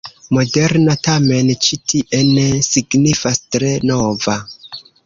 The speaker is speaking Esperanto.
”Moderna” tamen ĉi tie ne signifas tre nova.